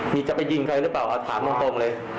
มีจะไปยิงใครหรือเปล่าถามตรงเลย